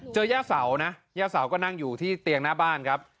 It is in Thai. ย่าเสานะย่าเสาก็นั่งอยู่ที่เตียงหน้าบ้านครับ